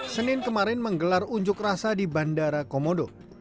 senin kemarin menggelar unjuk rasa di bandara komodo